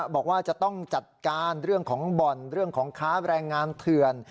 บอกว่าจะต้องจัดการเรื่องของบ่อนเรื่องของค้าแรงงานเถื่อน